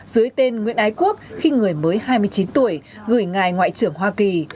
dưới tên nguyễn ái quốc khi người mới hai mươi chín tuổi gửi ngài ngoại trưởng hoa kỳ